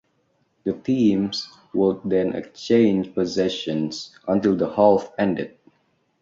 The teams would then exchange possessions until the half ended.